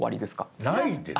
ないです。